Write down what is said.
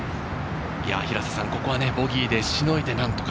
ここはボギーでしのいで、なんとか。